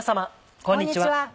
こんにちは。